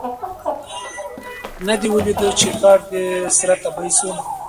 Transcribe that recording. نه دي ولیده چي ښار دي سره تبۍ سو